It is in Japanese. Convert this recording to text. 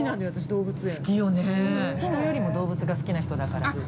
◆人よりも動物が好きな人だから。